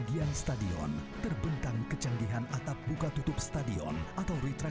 yang selalu tersaji bisa ku silati